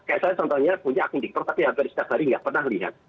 kayak saya contohnya punya akun tiktok tapi hampir setiap hari nggak pernah lihat